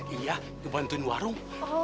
iya ngebantuin warung